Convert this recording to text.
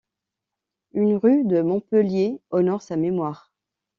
Une rue de Montpellier honore sa mémoire.